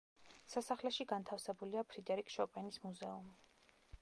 სასახლეში განთავსებულია ფრიდერიკ შოპენის მუზეუმი.